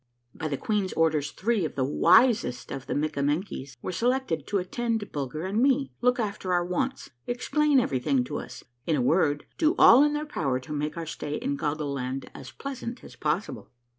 By the queen's orders three of the wisest of the Mikkamen kies were selected to attend Bulger and me, look after our wants, explain everything to us — in a word, do all in their power to make our stay in Goggle Land as pleasant as possible.